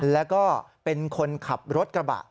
แล้วก็เป็นคนขับรถกระบะ